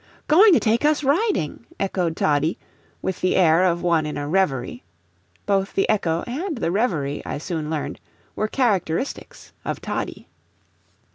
"Going to take us riding!" echoed Toddie, with the air of one in a reverie; both the echo and the reverie I soon learned were characteristics of Toddie.